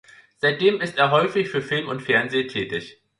Seitdem ist er häufig für Film und Fernsehen tätig.